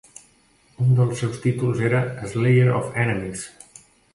Un dels seus títols era "Slayer of Enemies".